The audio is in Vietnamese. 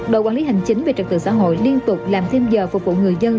đội quản lý hành chính về trật tự xã hội liên tục làm thêm giờ phục vụ người dân